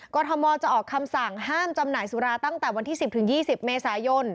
ทมจะออกคำสั่งห้ามจำหน่ายสุราตั้งแต่วันที่๑๐๒๐เมษายน